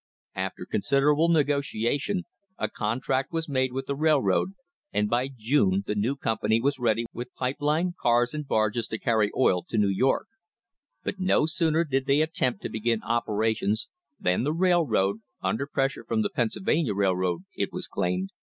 After considerable negotiation a contract was made with the rail road, and by June the new company was ready with pipe line, cars and barges to carry oil to New York. But no sooner did they attempt to begin operations than the railroad, under pressure from the Pennsylvania Railroad it was claimed, re * Abridged from Mr. Campbell's testimony.